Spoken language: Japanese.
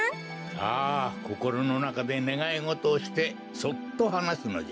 さあこころのなかでねがいごとをしてそっとはなすのじゃ。